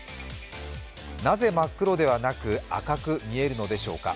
なぜ真っ黒ではなく赤く見えるのでしょうか？